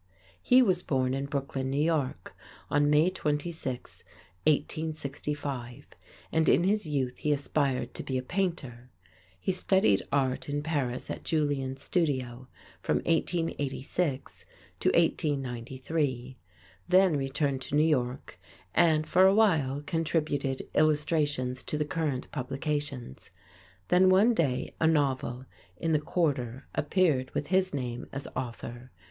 He was born in Brooklyn, New York, on May 26, 1865, and in his youth he aspired to be a painter. He studied art in Paris at Julien's Studio from 1886 to 1893, then returned to New York, and for a while contributed illustrations to the current publications. Then one day a novel, "In the Quarter," appeared with his name as author.